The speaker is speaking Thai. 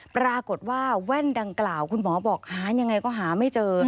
แว่นดังกล่าวคุณหมอบอกหายังไงก็หาไม่เจอ